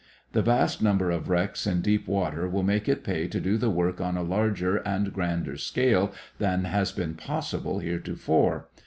The vast number of wrecks in deep water will make it pay to do the work on a larger and grander scale than has been possible heretofore.